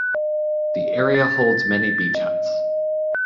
The area holds many beach huts.